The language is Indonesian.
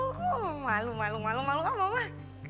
oh malu malu malu malu gak mama